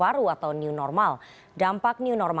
pemerintah juga mengatakan bahwa